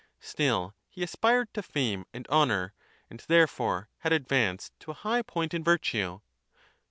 Still he aspired to fame and honour, and therefore had advanced to a high point in virtue.